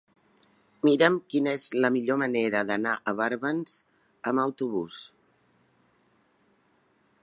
Mira'm quina és la millor manera d'anar a Barbens amb autobús.